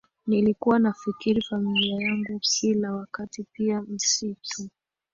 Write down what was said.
nilikuwa nafikiria familia yangu kila wakati Pia msitu